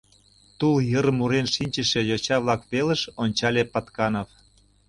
— Тул йыр мурен шинчыше йоча-влак велыш ончале Патканов.